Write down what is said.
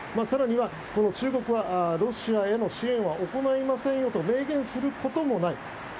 更には、中国はロシアへの支援は行いませんよと明言することもない。